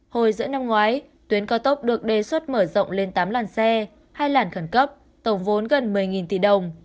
hồi giữa năm ngoái tuyến cao tốc được đề xuất mở rộng lên tám làn xe hai làn khẩn cấp tổng vốn gần một mươi tỷ đồng